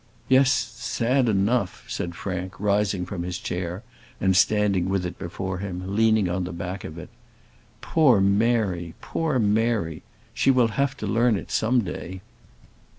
"Yes, sad enough," said Frank, rising from his chair and standing with it before him, leaning on the back of it. "Poor Mary, poor Mary! She will have to learn it some day."